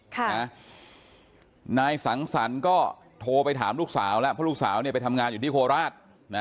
นายสังสรรค์ก็โทรไปถามลูกสาวแล้วเพราะลูกสาวเนี่ยไปทำงานอยู่ที่โคราชนะ